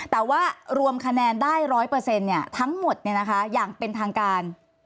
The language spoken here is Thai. แต่ว่ารวมคะแนนได้ร้อยเปอร์เซ็นต์ทั้งหมดอย่างเป็นทางการ